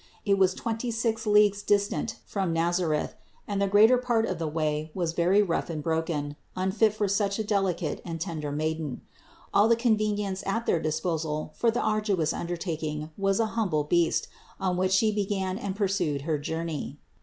It was twenty 162 THE INCARNATION 163 six leagues distant from Nazareth, and the greater part of the way was very rough and broken, unfit for such a delicate and tender Maiden. All the convenience at their disposal for the arduous undertaking was an hum ble beast, on which She began and pursued her journey.